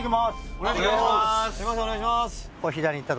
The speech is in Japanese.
お願いします。